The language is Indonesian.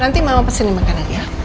nanti mama pesenin makanan ya